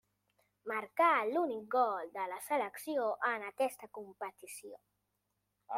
Marcà l'únic gol de la selecció en aquesta competició.